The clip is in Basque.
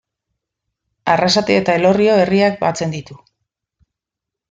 Arrasate eta Elorrio herriak batzen ditu.